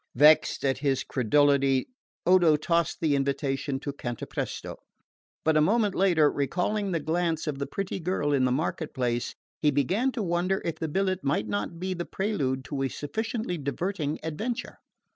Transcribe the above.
Vexed at his credulity, Odo tossed the invitation to Cantapresto; but a moment later, recalling the glance of the pretty girl in the market place, he began to wonder if the billet might not be the prelude to a sufficiently diverting adventure.